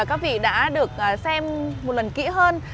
các vị đã được xem một lần kỹ hơn